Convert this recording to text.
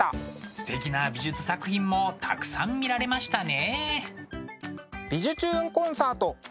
すてきな美術作品もたくさん見られましたね。